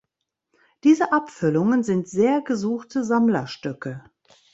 Diese Abfüllungen sind sehr gesuchte Sammlerstücke.